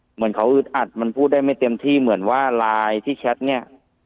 เหมือนเขาอึดอัดมันพูดได้ไม่เต็มที่เหมือนว่าไลน์ที่แชทเนี่ย